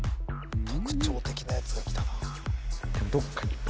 特徴的なやつがきたな